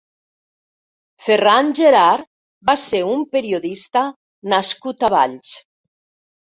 Ferran Gerhard va ser un periodista nascut a Valls.